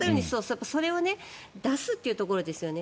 それを出すところですよね。